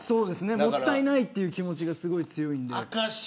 もったいないという気持ちがすごい強いんで。